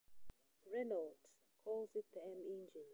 Renault calls it the M engine.